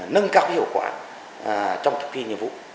nâng cao hiệu quả trong thực thi nhiệm vụ